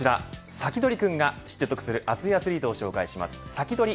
サキドリくんが、知って得する熱いアスリートを紹介しますサキドリ！